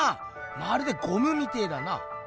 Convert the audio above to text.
まるでゴムみてぇだな。